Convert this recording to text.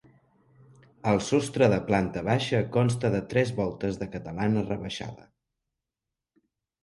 El sostre de la planta baixa consta de tres voltes de catalana rebaixada.